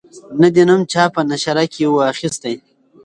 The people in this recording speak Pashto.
نه دي نوم چا په نشره کی وو اخیستی